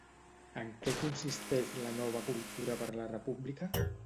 En què consisteix La nova cultura per la república?